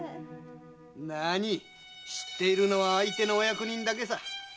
なあに知っているのは相手のお役人だけさ。